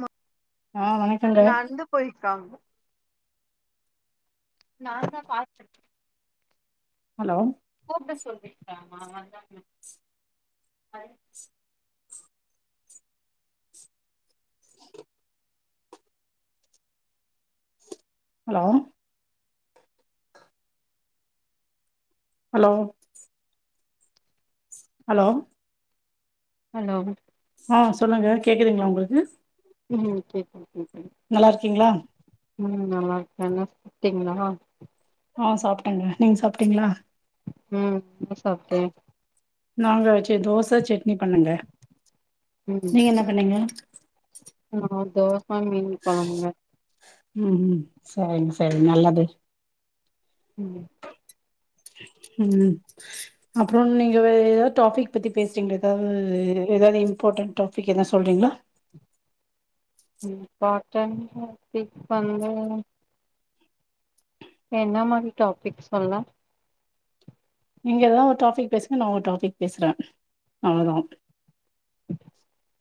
மா ஆ வணக்கங்க நந்து போய்காங்க நா தா கால் பன்னே ஹலோ கூப்ட சொல்றீங்களா மா அதான hi hello hello hello hello ஆ சொல்லுங்க கேக்குதுங்களா உங்களுக்கு உ உ கேக்குதீ நல்லா இருக்கீங்களா உ நல்லா இருக்கேங்க சாப்டீங்களா ஆ சாப்பிட்டேங்க நீங்க சாப்ட்டீங்களா ம் என சப்டேன் நாங்கா வச்சு தோசை சட் னி பண்ணேங்க நீ என்ன பண்ணிங்க ஆ தோச மீன் கொழம்புங்க ம் ம் சரிங்க சரி நல்லது ம் ம் அப்புற நீங்க ஏதாது டாபிக் பத்தி பேசுறீங்களா ஏதாது ஏதாவுது இம்பாட்டன்ட் டாபிக் எதனா சொல்றீங்களா இம்பார்ட்டன் டாபிக் வந்து என்ன மாரி டாபிக் சொல்லாம் நீங்க எதனா ஒரு டாபிக் பேசுங்க நா ஒரு டாபிக் பேசுறேன் அவ்ளதான் [inaudible]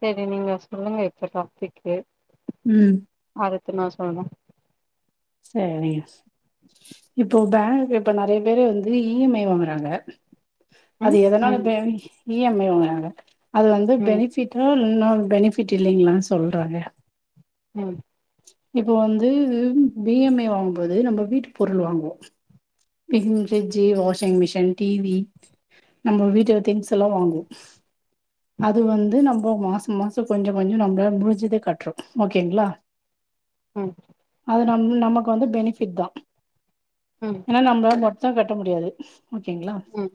சரி நீங்க சொல்லுங்க இப்ப டாபிக்கு ம் அடுத்து நா சொல்லறேன் சேரி எஸ் இப்போ பேங்க் இப்ப நெறைய பேரு வந்து இ எம் ஐ வாங்குறாங்க அது ம் எதுனால ம் பேங்க் இ எம் ஐ இங்க அது வந்து ம் பெனிஃபிட்டு இன்னோ பெனிஃபிட் இல்லங்கிளான் சொல்றாங்க ம் இப்ப வந்து பி எம் ஐ வாங்கும்போது நம்ம வீட்டு பொருள் வாங்குவோம் fridge washing machine T V நம்ம வீட்டு திங்ஸ் எல்லா வாங்குவோம் அது வந்து நம்ம மாசம் மாசம் கொஞ்ச கொஞ்ச நம்மள முடுஞ்சத கட்டுறோம் ஓகேங்களா ம் அது நம் நமக்கு வந்து பெனிஃபிட் தான் ம் அனா நம்ப இந்த சா கட்ட முடியாது ஓகேங்ளா ம்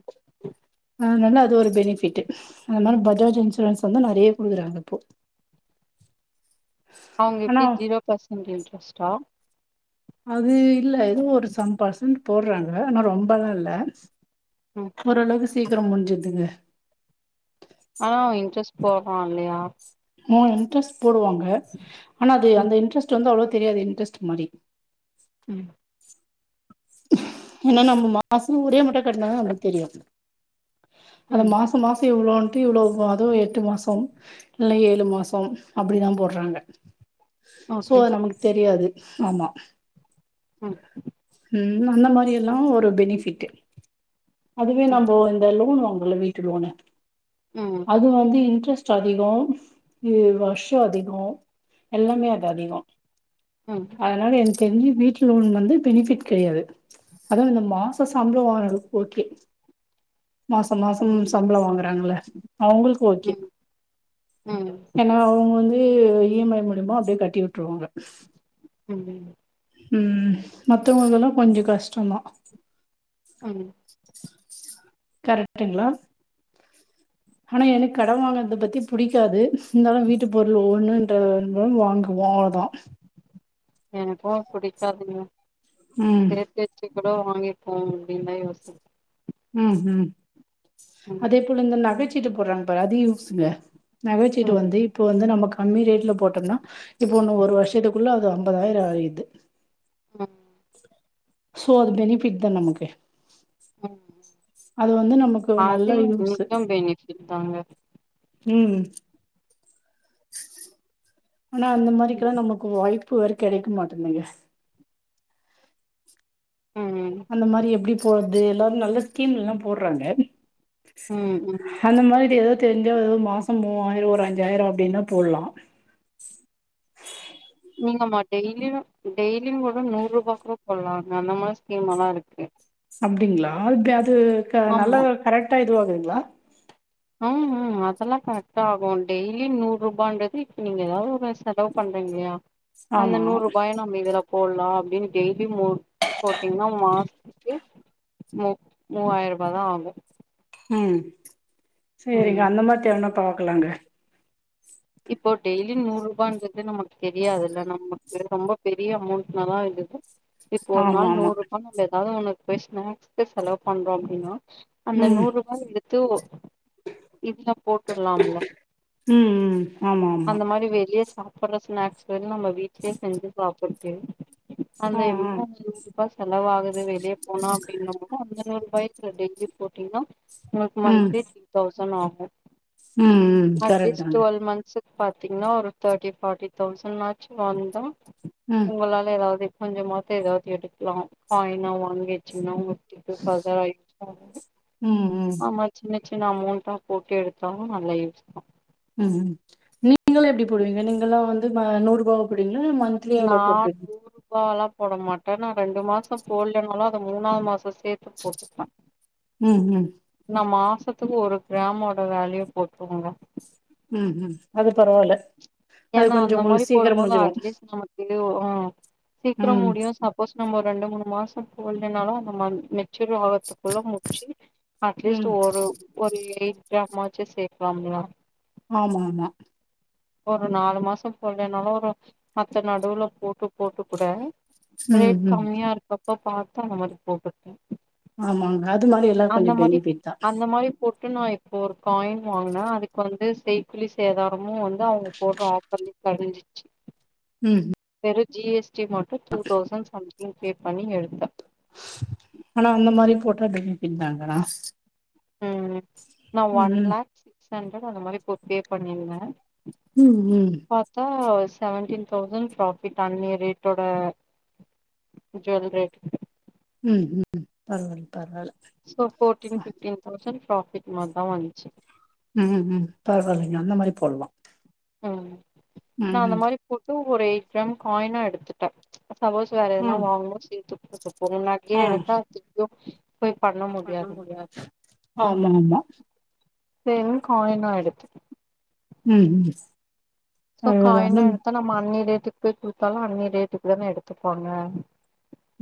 ஆனால அது ஒரு பெனிஃபிட் அந்த மாரி பஜாஜ் இன்சூரன்ஸ் வந்து நெறைய குடுக்குறாங்க இப்போ அவுங்க ஆனா இப்டி ஜீரோ பஸ் என்டு இன்ட்ரெஸ்ட்டா அது இல்ல ஏதோ ஒரு சம்பர்சன்ட் போடுறாங்க ஆனா ரொம்பல்லா இல்ல ம் ஓரளவுக்கு சீக்கிரம் முடிஞ்சுதுங்க ஆனா இன்ட்ரெஸ் போகும் இல்லயா ஆ இன்ட்ரஸ் போடுவாங்க ஆனா அது ம் அந்த இன்ட்ரெஸ்ட் வந்து அவ்ளோ தெரியாத இன்ட்ரெஸ்ட் மாரி உ ஏனா நம்ம மாசம் ஒரே மட்டு கட்டினா தா அப்டி தெரியு அது ம் மாச மாச இவ்ளோன்ட்டு இவ்ளோ அது எட்டு மாசம் இல்ல ஏழு மாசம் அப்டிதான் போடுறாங்க சோ ஓகே நமக்கு தெரியாது ஆமா உ உ அந்த மாரி எல்லா ஒரு பெனிஃபிட்டு் அதுவே ம் நம்ம இந்த லோன் வாங் உல்ல வீட்டுடுவாங்க ம் அது வந்து இன்ட்ரெஸ்ட் ஸ்ட் அதிகோ வருஷோ அதிகோ எல்லாமே அது அதிகோ ம் அதனால என் தெரி்ஞ்சி வீட்டு்லோன் வந்து பெனிஃபிட் கிடையாது அதா இந்த மாச சம்ளோ வாங்குரவங்கள்க் ஓகே மாச மாசம் சம்பளம் வாங்குறாங்கள்ள அவங்களுக்கு ஓகே ம் ம் ஏன்னா அவங்க வந்து ஏ இ எம் ஐ மூல்யமா அப்டியே கட்டி விட்ருவாங்க ஆமாமா உ மக் ட்டு அதெல்லா கொஞ்ச கஷ்டந்தா உ ஆ கரெக்டுங்களா ஆனா எனக்கு கடே வாங்குறத பத்தி புடிக்காது இருந்தாலு வீட்டு பொருள் ஒண்ணுன்ற வாங்குவோ அவ்ளதா எனக்கு புடிக்காதுங்க ம் சே சே சே கூடோ வாங்கிப்போ அப்டின்னு தா யோசன உ ஹு அதே போல இந்த நகைச் ச்சிட்டு போட்றாங்க பாரு அது யூசுங்க நகைச்சிட்டு ம் வந்து இப்போ வந்து நமக்கு கம்மி ரேட்டுல போட்ருந்தா இப்ப ஒன்னு ஒரு வருஷத்துக்குள்ள அதங் முப்பதாயிரோ ஆய்த்து ம் சோ அது பெனிஃபிட்தா நமக்கு ம் ம் அது வந்து நமக்கு நல்ல அது யூஸு நீட்டம் ஃபெனிச்சட் தாங்க ம் ஆனா அந்த ம் மாரிக்கல்லா நமக்கு வாய்ப் ப்ப ஒரு கெடைக்க மாட்டேந்துங்க ம் அந்த மாரி எப்பிடி போற து எல்லாரு நல்ல ஸ்கீம் இல்லாப் போடறாங்க ம் அந்த மாரி ஏதோத் தெரிஞ்சாவது மாசம் மூவாயிரோ ஒரு அஞ்சாயிரோ அப்பிடின்னா போலா நீங்கம்மா டெய்லியு டெய்லியு கூட நூறுரூவாக் கூட போடலா அந்த மாரி ஸ்கீம்ல்லா இருக்கு அப்பிடிங்களா கேத் து க ஆமா நல்ல கரெக்டாக இதுவகுதுாங்லா ம்ம் அதெல்லா கரெக்டாகு டெய்லி நூறு ரூபான்றது இப்ப நீங்க ஏதாவது ஒரு செலவு பண்றீங்கல்லியா அந்த ஆமா நூறுரூபாய நம்ம இதுல போடலா அப்பிடின்னு டெய்லி மூ போட்டீங்கன்னா மாசத்துக்கு மூ மூவாயிரரூபாதா ஆகு ம் சேரிங்க ம் அந்த மாரி தேவனப் பாக்கலாங்க இப்போ டெய்லி நூறு ரூபான்றது நமக்கு தெரியாதுல்ல நமக்கு ரொம்ப பெரிய அமௌண்ட்னாதா இருது இப்போ ஒரு ஆமா நாள் ஆமா நூறு ரூபா நம்ம ஏதாவது ஒன்னு பே ஸ்நாக்ஸ்க்கு செலவு பண்றோ அப்பிடின்னா அந்த ம் நூறு ரூபா எடுத்து இதுல போட்டுலாம்ல்ல ம் ம் ஆமா ஆமா போற ஸ்நாக்ஸ்க் நம்க் வீட்லியே செஞ்சி சாப் கே அந்த ஆ ஆ [unintelligible] குறிப்பா செலவாகுது வெளியே போனா அப்பிடின்ன கூடு [unintelligible] ஒய்ட்ல டெகி போட்டீங்கன்னா ஒனக்கு ம் மந்திலி சிக் தவுஸ் சொன்னா ஆகு ம் ம் கரெக்ட் தாங்க ஒன்ஸுக் பாத்தீங்னா ஒரு தேர்ட்டி ஃபாட்டி தவுசனாச்சு வாங்குதோ ம் உங்களால எதாவ்து கொஞ்சமாத்த எதாவ்து எடுக்லா காய்னா வாங்கி வச்சிங்னா உங்க ம் ம் [unintelligible] ஆமா சின்ன சின்ன அமௌன்ட்டா போட்டு எடுத்தாலு‌ நல்ல யூஸ் தா ம் நீங்களா எப்டி போடுவிங்க நீங்களா ‌வந்து ம நூறுபாவா போடுவிங் நா நூறுபாலா போட மாட் ட‌ நா ரெண்டு மாச போட்லனாலு அத மூணாது மாச சேத்து போட்டுப்ப ம் ம் சத்துகு ஒரு கிராமோட வேல்யுவ போட்ருவங்க ம் ம் அது பரவால்ல அது ஏன்னா கொஞ்சோ அந்த மாரி உங்களுக்கு போடும் சீக்கிரம் போது முடிஞ்சிரு அட்லீஸ்ட் நமக்கு ஒ அ சீக்கிர ம் முடியு சப்போஸ் நம்ம ரெண்டு மூணு மாச த்துக் போல்லனாலு அந்த மன்த் நெ ச்செர் ஆகுர்த்துக்குள்ள முட்ச்சி ம் அட்லீஸ்ட் ஒரு ஒரு எயிட் கிராம் ஆ ச்சு சேக்லாமில்லயா ஆமா ஆமா ஒரு நாலு மாச போல்லனாலு ஒரு மத்த நடுவுல போட்டு போட்டு கூட ம் ரேட் ம் கம்மியா இருக்க ப்ப பாத்து அந்த மாரி போட்டுட்டே ஆமா அது மாரி எல்லா கொஞ்ச பெனிஃபிட் தா ட்டு நா இப்ப ஒரு காயின் வாங்னே அதுக்கு வந்து செய்கூலி சேதாரமு வந் து அவுங்க போட்ற ஆஃபர்லே கொறஞ்சிச்சு ம் ஒரு ஜி எஸ் டி மட்டு two thousand something pay பண்ணி எடுத்த ஆனா அந்த [unintelligible] ம் ம் நா ம் ஒன் ம் லாக் சிக்ஸ் ஹண்ரட் அந்த மாரி போட்டு பே பண்ணிருந்த ம் ம் பாத்தா செவன்டீன் தௌசண்ட் பிராஃபிட் அன்னைய ரேட்டோட ஜுவல் ரேட் ம் ம் பரவால்ல பரவால்ல சோ ஃபோர்ட்டீன் அ. ஃப்டீன் தௌசண்ட் பிராட்பிட் மார்தா வஞ்சு ம் ம் பரவால்லைங்க அந்த மாரி போல்லா ம் நா அந்த ம் மாரி போட்டு ஒரே கிராம் காயினா எடுத்துட்ட சபோஸ் வேற எதனா ம் வாங்கணு சீட்டு போனமனா ஆ அங்கேயே எடுத்தா திப்பியு ஆமா ஆமா சேரின் காயினா எடுத்துட்ட ம் ம் சோ பரவால்ல அந்த காய்னா எடுத்தா நம்ம அண்ணி ரேட் ட்டுக்கு குடுத்தாலு அண்ணிய ரேட்டுக்கு தானா எடுத்துப்பாங்க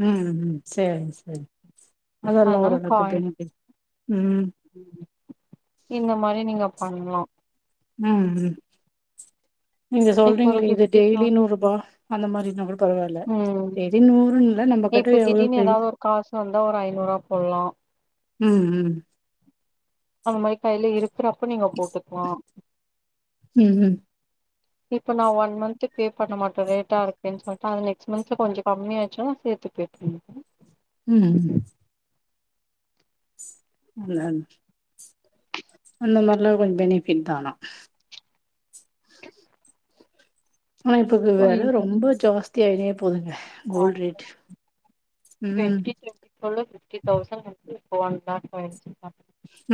ம் ம் சேரிங் சேரிங் அதெல்லா அதனால ஒரு அளவுக்குத் காயின் தெரியு தோழி ம் இந்த மாரி நீங்க பண்லா ம் ம் நீங்க இப்போ ஒரு சொல்றீங்களே இது ஃபிப்டி தா டெய்லி நூரூபா அந்த மாரி இருனா கூட பரவால்ல ம் டெய்லி நூறுனு இல்ல நம்ப பெட்ரோல் எவ்வளவுக் கடி தா ஒரு ஐநூறுவா போல்லா ம் ம் அந்த மாரி காயில இரு இருக்கறப்போ நீங்க போட்டுக்கலா ம் ம் இப்ப நா ஒன் மந்த்து பே பண்ண மாட்ட ரேட்டா இருக்கேன் சொல்ட்டு அது நெக்ஸ்ட் மந்த்ல கொஞ்சோ கம்மியாச்சுன்னா சேத்து பே பண்ணிருவ ம் ம். ஆமாங் அந்த மாரிலா கொஞ்சோ பெனிஃபிட் தானா ஆனா இப்பக்கு சோ வெல இப்போ ரொம்போ ஜாஸ் [unintelligible] போதுங்க ஆ கோல்ட் ரேட் ம் டுவெண்ட்டி இப்ப ஒன் லாக் போயிருச்சுங்ளா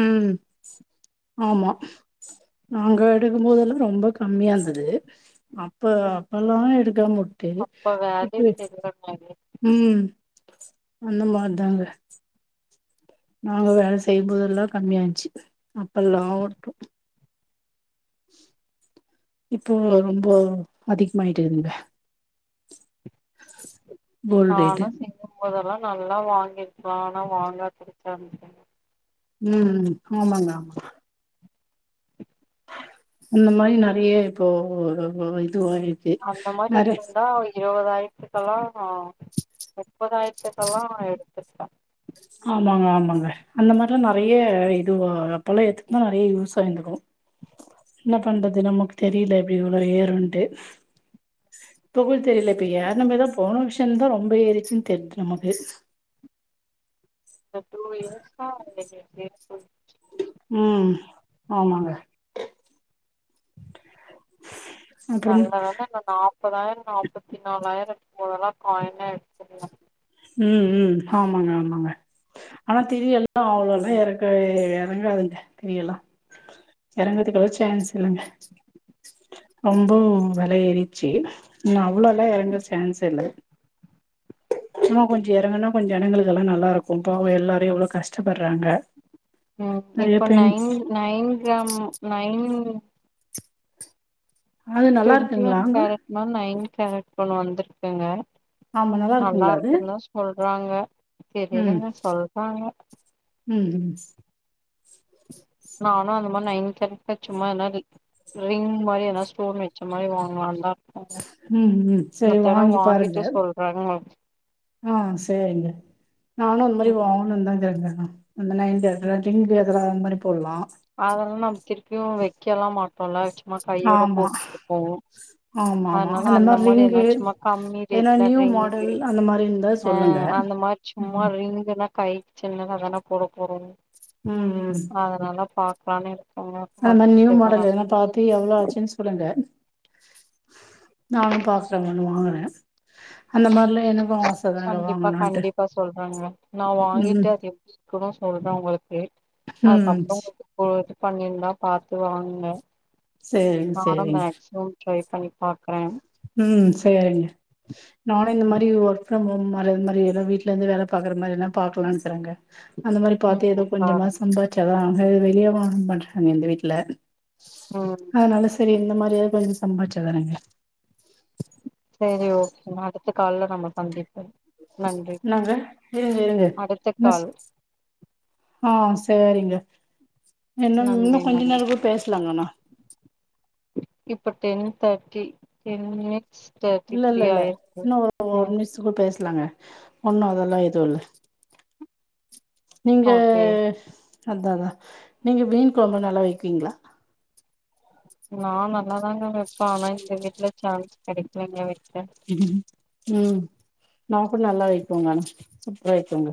ம் ஆமா நாங்க எடுக்கும் போதெல்லா ரொம்ப கம்மியா இருந்துது அப்போ எல்லாமே எடுக்க மு ட்டு அப்ப வேல்யூ இப்ப தெரிலனாலே ம் அந்த மாரிதாங்க நாங்க வேல செய்யும்போதெல்லா கம்மியா இருந்ச்சு அப்பல்லா வுட்டோ இப்போ ரொம்போ அதிகமாயிட்டு இருக்குதுங்க கோல்டு ரேட்டு ஆனா செய்யணு மொதல்லா நல்லா வாங்கிருக்கலா ஆனா வாங்காது [inaudible] ம் ம் ஆமாங்க ஆமா அந்த மாரி நெறைய இப்போ இது ஓடிருச்சு வேற இருவதாயரத்துக்கெல்லா ஆ எ முப்பதாயரத்துக்கெல்லா எடு த்துருக்கலா ஆமாங்க ஆமாங்க. அந்த மாரில்லா நெறைய இது அப்போல்லா எட்த்துருந்தா நெறைய யூஸ் ஆயிருந்திருக்கு என்ன பண்றது நமக்கு தெரியல இப்டி இவ்ளோ ஏறுன்ட்டு இப்பவு தெரில இப்ப ஏறுன பிறகுதா போன வர்ஷந்தா ரொம்ப ஏறிருச்சுன்னு தெர்து நமக்கு இந்த டூ இயர்ஸா [inaudible] ம் ஆமாங்க அப்புறம் நல்லவேள நாங்க நா முப்பதாயிரோ நாப்பத்தி நாலாயிரோ இருக்கும்போதல்லா காயினா எடுத்துருந்தே. ம் ம் ஆமாங்க ஆமாங்க ஆனா [inaudible] அவ்ளவு ஆ எறங்க எறங்காதுங்க இனியெல்லா எறங்கறதுக்கெல்லா சான்ஸ் இல்லங்க ரொம்ப வெல ஏறிட்ச்சு இன்ன அ வ்ளோ எல்லா எறங்க சான்ஸே இல்ல இன்னு கொஞ்ச எறங்குனா கொஞ்ச ஜனங்களுக்கெல்லா நல்லா இருக்கு பாவோ எல்லாரு எவ்ளோ கஷ்டப்பட்றாங்க ம் நெறைய இப்ப பெண் நைன் நைன் கிராம் நைன் அது நல்லா ட்வெண்டி இருக்குங்களா ஒன் அங்க கேரட்னா நைன் கேரட் ஒண்ணு வந்திருக்குங்க ஆமா நல்லா இருக்குங்களா அது? றாங்க ம் தெரியலங்க சொல்றாங்க ம் ஹும் நானு அந்த மாரி நயின் கேரட் தா சும்மா என்னாடி ரிங் மாரி என்னாச்சு போனே ம் ம் சேரி மத்ததெல்லா வாங்கி பாருங்க வாங்கிட்டு சொல்றாங்க ஆ சேரிங்க நானு அந்த ம் மாரிதா வாங்கணுன் தா தேட்னேங்க நம்மனா ம் [unintelligible] அந் மாரி குளா அதெல்லா நம்ம திருப்பியு வைக்கலாம் மாட்டோன்ல கையோட ஆமா போட்டுட்டு போவோ ஆமா ஆமா அதுனால அந்த மாரி என்ன ரிங்கு சும்மா கம்மி ஏன்னா ரேட்ல நியூ மாடல் ரிங்கு அந்த மாரி இருந்தா ஆ சொல்லுங்க அந்த மாரி சும்மா ம் ரிங்குனா கை சின்னதா தான போட போறோம் ம் ம் பாக்லா மேனு அந்த மாரி நியூ மாடல் ஏதுனா பாத்து எவ்ளோ ஆச்சுன் சொல்லுங்க நானு பாத்துட்டு இனோன்னு வாங்குனே கண்டிப்பா வாங்கணுன்ட்டு கண்டிப்பா சொல்றங்க நா ம் வாங்கிட்டு அது எப்டி இருக்குனு சொல்றே உங்களுக்கு ம் அதுக்கப்புறே உங்களுக்கு பண்ணிருந்தா பாத்து வாங்குங்க சேரிங் நானு சேரிங் மேக்சிமம் ட்ரை பண்ணி பாக்குறே ம் சேரிங்க நானு இந்த மாரி ம் ஒர்க் ஃபிரம் ஹோம்மு அது இந்மாரி வீட்ல இருந்தே வேல பாக்கற மாரி ஏதனா பாக்லானு சார் அங்க அந்த மாரி பாத்து ஏதோ ம் கொஞ்சமா பாருங்க சம்பாதிச்சாதா வெளிய வா எர்ன் பண்ற அங்க ஊந்த வீட்ல ம் அதுனால சரி இந்த மாரி இப்பியே கொஞ்ச சம்பாரிச்சா தானேங்க சரி ஓகே நாளு து கால்ல நம்ம சந்திப்போம் இன்னாங்க இருங்க இருங்க அடுத்த நஸ் கால் ஆ சேரிங்க இன்னோன் நன்றி இன்னு கொஞ்சே நன்றி நேரே கூட பேசலாங்க ஆனா இப்போ டென் தேட்டி டென் மினிட் இல்ல இல்ல இல்ல இன்னோ ஒரு ம் நிமிஷத்துக்கு பேசலாங்க ஒன்னு அதெல்லா எதுவு இல்ல நீங்க ஓகே அதா அதா நீங்க மீன் கொழம்பு நல்லா வைப்பீங்ளா நா நல்லாதாங்க வெப்பே ஆனா இந்த வீட்ல சான்ஸ் கெடைக்கலங்க வெக் எதுடி உம் நா கூட நல்லா வைப்போங்கா சூப்பரா வைக்கோங்க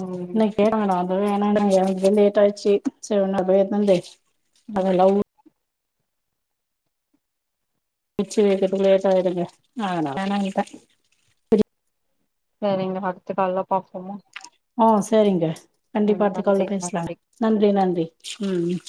ம் இன்னைக்கு தேட வேண்டா ஆந்த இத வேண்டானு நா எந்துதே லேட் ஆச்சு சேர் நா போய் எத்துனு வந்து ம் அதலா பிச்சு வேக்கதுகே லேட் ஆயுடுங்க ஆ [unintelligible] நா நேநப சேரிங்க அடுத்த கால்ல பாத்துக்கலாங்க ஹ செரிங்க கண்டிப்பா அடுத்து கால்ல நன்றி நன்றி பேசலாங்க நன்றி நன்றி உம் உம்